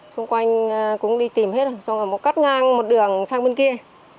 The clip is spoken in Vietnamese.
xung quanh cũng đi tìm hết rồi xong rồi một cắt ngang một đường sang bên kia